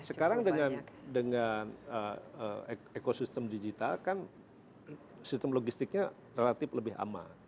sekarang dengan ekosistem digital kan sistem logistiknya relatif lebih aman